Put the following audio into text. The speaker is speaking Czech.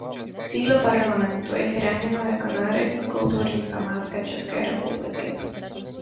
Sídlo Parlamentu je chráněno jako národní kulturní památka České republiky.